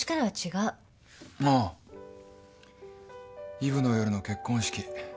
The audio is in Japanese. イブの夜の結婚式。